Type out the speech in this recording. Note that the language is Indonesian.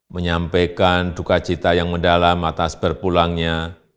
menyampaikan dukacita yang mendalam atas berpulangnya